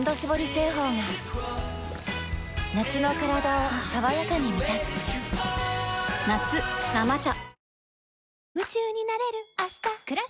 製法が夏のカラダを爽やかに満たす夏「生茶」